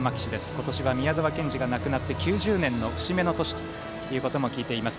今年は宮沢賢治が亡くなって９０年の節目の年ということも聞いています。